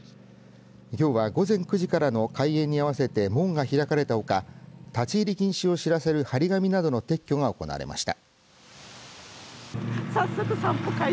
きょうは午前９時からの開園に合わせて門が開かれたほか立ち入り禁止を知らせる張り紙などの撤去が行われました。